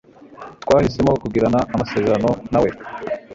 Twahisemo kugirana amasezerano na we.